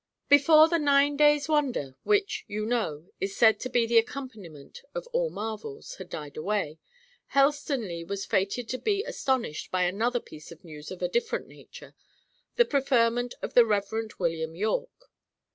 Before the nine days' wonder, which, you know, is said to be the accompaniment of all marvels, had died away, Helstonleigh was fated to be astonished by another piece of news of a different nature the preferment of the Reverend William Yorke.